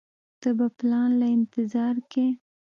ته به پلان له انتظار کيې.